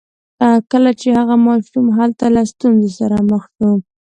کله چې هغه ماشوم هلته له ستونزو سره مخ شو